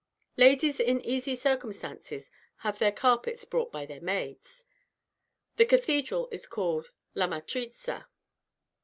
Ladies in easy circumstances have their carpets brought by their maids. The cathedral is called La Matriza.